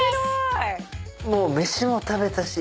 もう飯も食べたし。